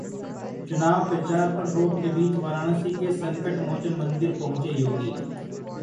चुनाव प्रचार पर रोक के बीच वाराणसी के संकटमोचन मंदिर पहुंचे योगी